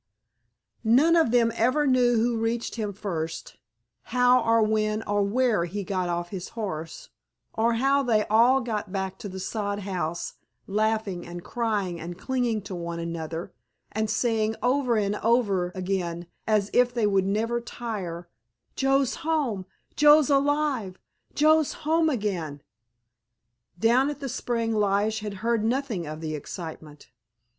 None of them ever knew who reached him first, how or when or where he got off his horse, or how they all got back to the sod house, laughing and crying and clinging to one another, and saying over and over again as if they would never tire, "Joe's home, Joe's alive, Joe's home again!" Down at the spring Lige had heard nothing of the excitement.